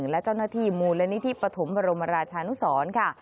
และเจ้าหน้าที่มูลนิธิปฐมบรมราชานุสรค่ะ